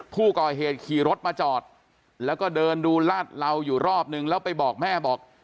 ผู้ก่อเหตุขี่รถมาจอดแล้วก็เดินดูลาดเหลาอยู่รอบนึงแล้วไปบอกแม่บอก